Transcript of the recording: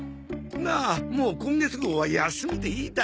なあもう今月号は休みでいいだろ？